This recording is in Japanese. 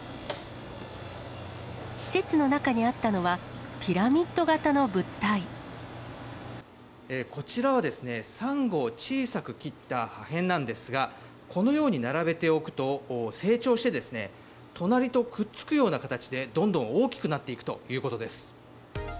施設の中にあったのは、こちらは、サンゴを小さく切った破片なんですが、このように並べておくと、成長して、隣とくっつくような形で、どんどん大きくなっていくということです。